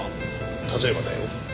例えばだよ